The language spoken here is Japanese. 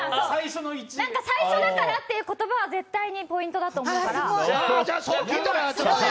最初だからって言葉は絶対にポイントだと思うから。